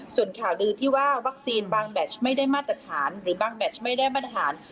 ส่วนข่าวลือที่ว่าวัคซีนบางแมชไม่ได้มาตรฐานหรือบางแมชไม่ได้มาตรฐาน